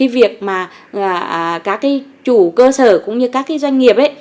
việc các chủ cơ sở cũng như các doanh nghiệp